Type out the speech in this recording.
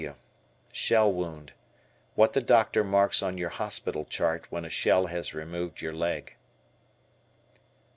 S.W. Shell wound. What the doctor marks on your hospital chart when a shell has removed your leg.